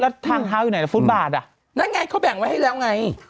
แล้วทางเท้าอยู่ไหนล่ะฟุตบาทอ่ะนั่นไงเขาแบ่งไว้ให้แล้วไง